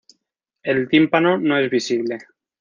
El tímpano no es visible.